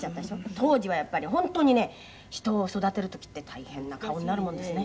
「当時はやっぱり本当にね人を育てる時って大変な顔になるもんですね」